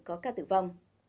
có ca tử vong